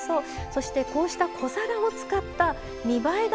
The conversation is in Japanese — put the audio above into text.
そしてこうした小皿を使った見栄えがいい